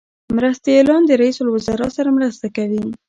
مرستیالان د رئیس الوزرا سره مرسته کوي